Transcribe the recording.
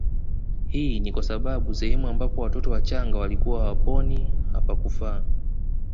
Hii ni kwa sababu sehemu ambapo watoto wachanga walikuwa hawaponi hapakufaa